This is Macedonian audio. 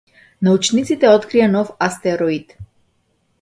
Научниците открија нов астероид.